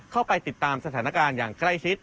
เข้าไปติดตามสถานการณ์อย่างใกล้ชิด